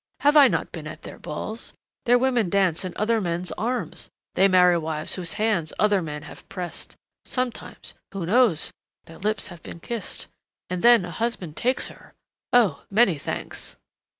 Have I not been at their balls? Their women dance in other men's arms. They marry wives whose hands other men have pressed. Sometimes who knows? their lips have been kissed.... And then a husband takes her.... Oh, many thanks!"